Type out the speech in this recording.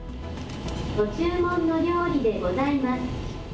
ご注文の料理でございます。